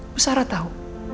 bu sarah tahu